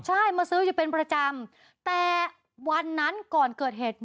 ใช่มาซื้ออยู่เป็นประจำแต่วันนั้นก่อนเกิดเหตุ